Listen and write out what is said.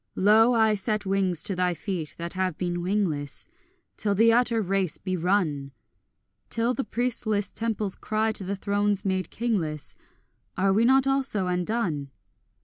Lo, I set wings to thy feet that have been wingless, Till the utter race be run; Till the priestless temples cry to the thrones made kingless, Are we not also undone?